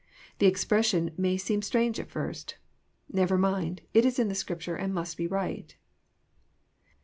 The expression may seem strange at first. Never mind, it is in the Scripture and it must be right.